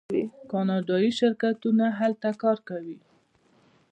کاناډایی شرکتونه هلته کار کوي.